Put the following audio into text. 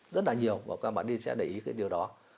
rất là nhiều và các bạn đi sẽ để ý cái điều đó